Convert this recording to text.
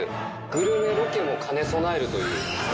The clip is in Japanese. グルメロケも兼ね備えるという。